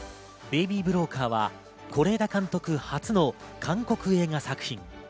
『ベイビー・ブローカー』は是枝監督初の韓国映画作品。